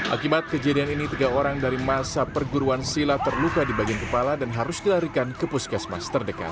akibat kejadian ini tiga orang dari masa perguruan silat terluka di bagian kepala dan harus dilarikan ke puskesmas terdekat